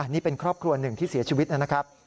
นี่เป็นครอบครัวหนึ่งที่เสียชีวิตนะครับ